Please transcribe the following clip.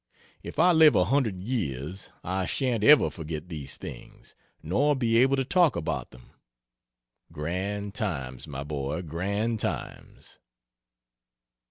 If I live a hundred years I shan't ever forget these things, nor be able to talk about them.... Grand times, my boy, grand times!"